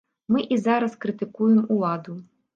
Мы і зараз крытыкуем уладу.